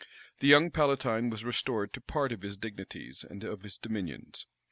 The young palatine was restored to part of his dignities and of his dominions.